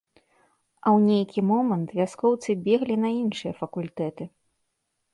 А у нейкі момант вяскоўцы беглі на іншыя факультэты.